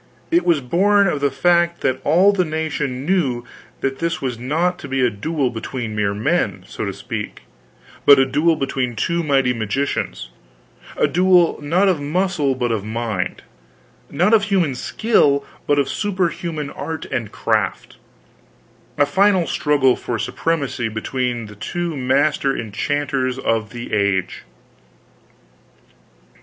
It was born of the fact that all the nation knew that this was not to be a duel between mere men, so to speak, but a duel between two mighty magicians; a duel not of muscle but of mind, not of human skill but of superhuman art and craft; a final struggle for supremacy between the two master enchanters of the age.